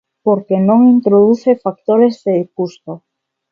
Porque non introduce factores de custo.